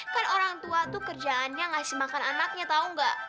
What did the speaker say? kan orang tua tuh kerjaannya ngasih makan anaknya tau gak